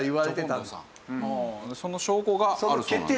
その証拠があるそう。